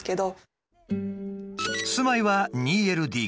住まいは２ＬＤＫ。